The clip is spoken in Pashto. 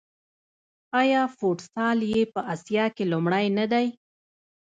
آیا فوټسال یې په اسیا کې لومړی نه دی؟